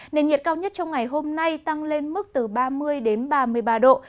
nền nhiệt cao nhất trong ngày hôm nay tăng lên mức từ ba mươi đến ba mươi ba độ